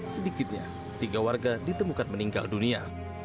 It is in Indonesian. sedikitnya tiga warga ditemukan meninggal dunia